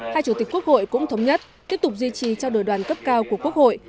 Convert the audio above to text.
hai chủ tịch quốc hội cũng thống nhất tiếp tục duy trì trao đổi đoàn cấp cao của quốc hội